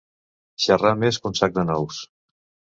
Xerrar més que un sac de nous.